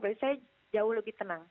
berarti saya jauh lebih tenang